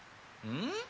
うん？